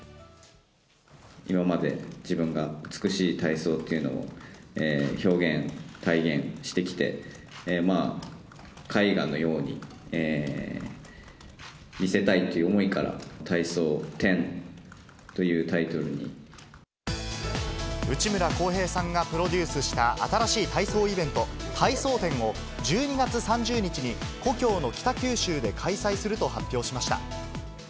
今まで自分が美しい体操というのを表現、体現してきて、まあ、絵画のように見せたいという思いから、内村航平さんがプロデュースした新しい体操イベント、体操展を、１２月３０日に故郷の北九州で開催すると発表しました。